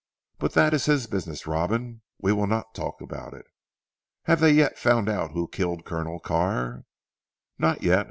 But that is his business Robin. We will not talk about it." "Have they yet found out who killed Colonel Carr?" "Not yet.